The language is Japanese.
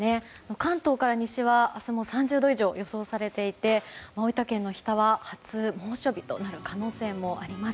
関東から西は明日も３０度以上が予想されていて大分県の日田は初猛暑日となる可能性もあります。